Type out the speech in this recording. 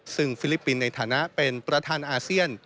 ซึ่งฟิลิปปินส์ในฐานะเป็นประธานอาเซียน